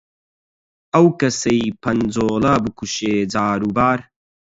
ئەو کەسەی پەنجۆڵە بکوشێ جاروبار،